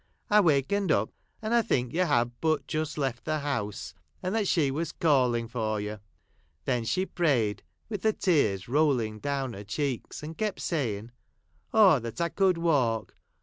I wakened up, and I think you had but just left the house, and that she was calling for you. Then she prayed, with the tears rolling down her cheeks, and kept saying —' Oh, that I could walk